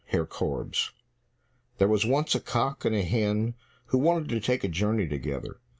41 Herr Korbes There were once a cock and a hen who wanted to take a journey together.